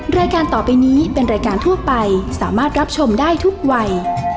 รายการต่อไปนี้เป็นรายการทั่วไปสามารถรับชมได้ทุกวัย